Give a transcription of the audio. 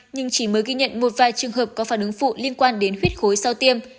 nhưng chỉ mới ghi nhận một vài trường hợp có phản ứng phụ liên quan đến huyết khối sau tiêm